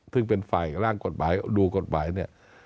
ซึ่งเป็นไฟล์แหล้งกฎภัยดูกฎภัยนี่